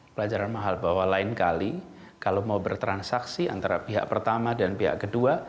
pelajaran mahal bahwa lain kali kalau mau bertransaksi antara pihak pertama dan pihak kedua